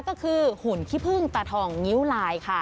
ก็คือหุ่นขี้พึ่งตาทองงิ้วลายค่ะ